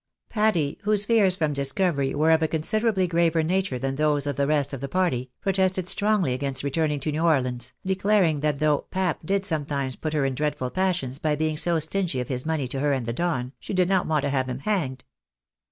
Patty, whose fears from discovery were of a considerably graver nature than those of the rest of the party, protested strongly against returning to New Orleans, declaring that though " pap" did some times put her into dreadful passions by being so stingy of his money to her and the Don, she did not want to have him hanged.